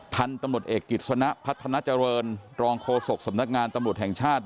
ท่านตำรวจเอกกฤษณะพัฒนาเจริญรองโคศกสำนักงานตำรวจแห่งชาติ